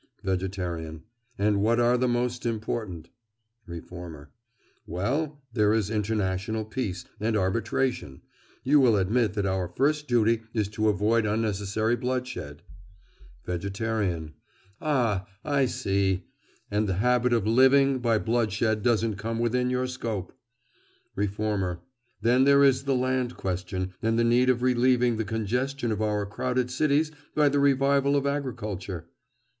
VEGETARIAN: And what are the most important? REFORMER: Well, there is international peace and arbitration. You will admit that our first duty is to avoid unnecessary bloodshed. VEGETARIAN: Ah, I see! And the habit of living by bloodshed doesn't come within your scope! REFORMER: Then there is the land question, and the need of relieving the congestion of our crowded cities by the revival of agriculture.